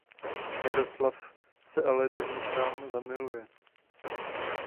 Miroslav se ale do ní sám zamiluje.